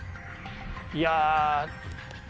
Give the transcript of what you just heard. いや。